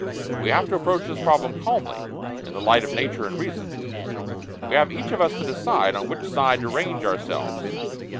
We have to approach this problem calmly, in the light of Nature and reason. We have each of us to decide on which side to range ourselves.